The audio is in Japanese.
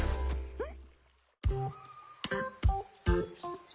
うん？